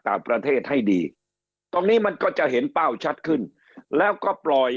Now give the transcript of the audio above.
ต่างประเทศให้ดีตรงนี้มันก็จะเห็นเป้าชัดขึ้นแล้วก็ปล่อย